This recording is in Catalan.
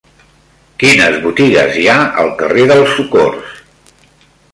Quines botigues hi ha al carrer del Socors?